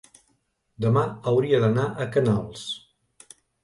Demà hauria d'anar a Canals.